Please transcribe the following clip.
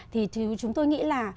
thì chúng tôi nghĩ là